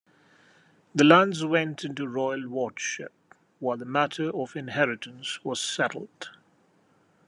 The lands went into royal wardship while the matter of inheritance was settled.